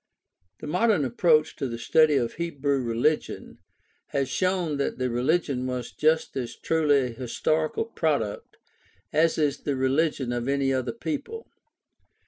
— The modern approach to the study of Hebrew rehgion has shown that that rehgion was just as truly a historical product as is the religion of any other people.